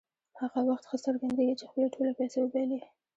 هغه وخت ښه څرګندېږي چې خپلې ټولې پیسې وبایلي.